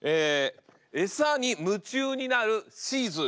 餌に夢中になるシーズー。